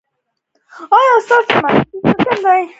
آيا تاسو مفتي ابوخالد لائق احمد غزنوي پيژنئ؟